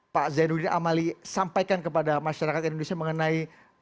pak zainuddin amali sampaikan kepada masyarakat indonesia mengenai